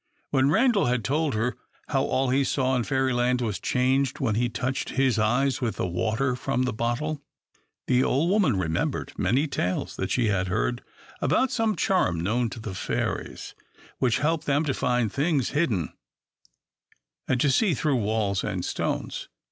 When Randal had told her how all he saw in Fairyland was changed after he had touched his eyes with the water from the bottle, the old woman remembered many tales that she had heard about some charm known to the fairies, which helped them to find things hidden, and to see through walls and stones.